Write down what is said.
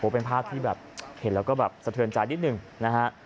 เป็นภาพที่แบบเห็นแล้วก็แบบสะเทือนใจนิดหนึ่งนะฮะ